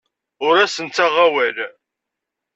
Ur asen-ttaɣeɣ awal.